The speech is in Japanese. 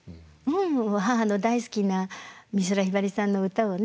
母の大好きな美空ひばりさんの歌をね